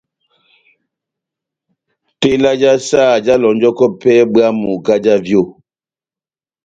Tela já saha jáhalɔnjɔkɔ pɛhɛ bwámu kahá já vyo.